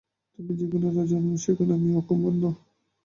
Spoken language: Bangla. তুমি যেখানে রাজা নও সেখানে আমি অকর্মণ্য।